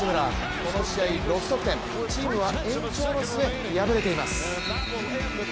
この試合６得点チームは延長の末、敗れています。